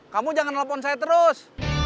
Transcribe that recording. kamu jangan nelfon saya terus